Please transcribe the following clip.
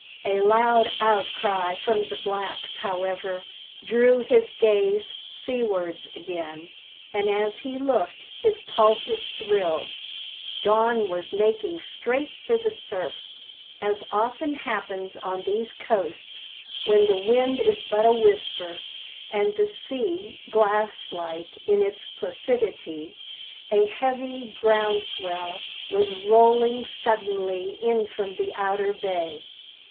A loud outcry from the blacks, however, drew his gaze seawards again, and as he looked his pulses thrilled. Don was making straight for the surf! As often happens on these coasts when the wind is but a whisper, and the sea glass like in its placidity, a heavy ground swell was rolling sullenly in from the outer bay.